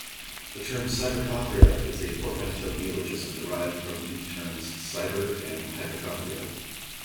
The term "cyberchondria" is a portmanteau neologism derived from the terms cyber- and hypochondria.